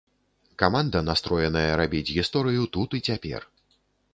Каманда настроеная рабіць гісторыю тут і цяпер.